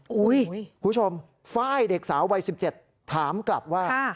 คุณผู้ชมไฟล์เด็กสาววัย๑๗ถามกลับว่า